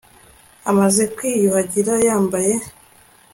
amaze kwiyuhagira yambaye